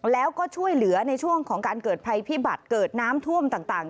แล้วก็ช่วยเหลือในช่วงของการเกิดภัยพิบัตรเกิดน้ำท่วมต่าง